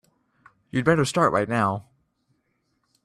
You'd better start right now.